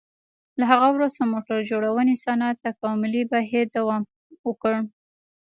له هغه وروسته موټر جوړونې صنعت تکاملي بهیر دوام وکړ.